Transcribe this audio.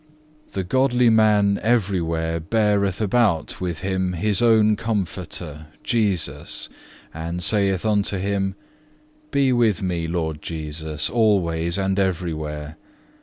The godly man everywhere beareth about with him his own Comforter, Jesus, and saith unto Him: "Be with me, Lord Jesus, always and everywhere.